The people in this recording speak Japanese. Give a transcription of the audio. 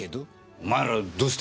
お前らどうして？